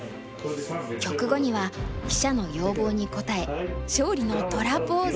局後には記者の要望に応え勝利の虎ポーズ。